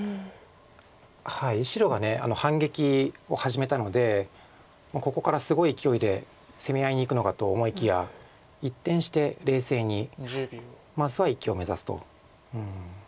白が反撃を始めたのでもうここからすごい勢いで攻め合いにいくのかと思いきや一転して冷静にまずは生きを目指すと。